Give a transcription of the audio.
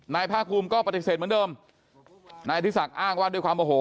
ภาคภูมิก็ปฏิเสธเหมือนเดิมนายอธิศักดิ์อ้างว่าด้วยความโอโห